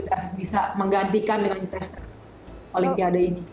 dan bisa menggantikan dengan investasi olimpiade ini